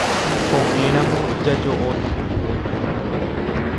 Ko'ẽramo jajo'óta.